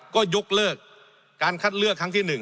ก็ยกเลิกการคัดเลือกครั้งที่๑